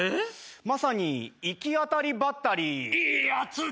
まさに行き当たりばったり。